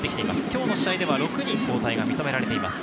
今日の試合では６人の交代が認められています。